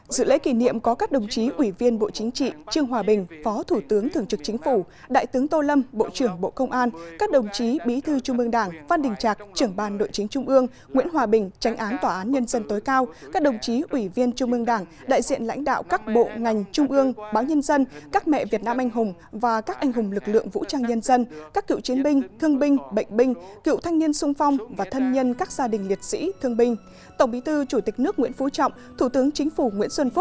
dự lễ kỷ niệm có các đồng chí ủy viên bộ chính trị trương hòa bình phó thủ tướng thường trực chính phủ đại tướng tô lâm bộ trưởng bộ công an các đồng chí bí thư trung ương đảng phan đình trạc trưởng ban đội chính trung ương nguyễn hòa bình tránh án tòa án nhân dân tối cao các đồng chí ủy viên trung ương đảng đại diện lãnh đạo các bộ ngành trung ương báo nhân dân các mẹ việt nam anh hùng và các anh hùng lực lượng vũ trang nhân dân các cựu chiến binh thương binh bệnh binh cựu thanh